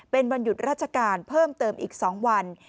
เป็นวันหยุดราชการเพิ่มเติมอีก๒วัน